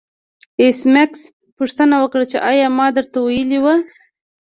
ایس میکس پوښتنه وکړه چې ایا ما درته ویلي وو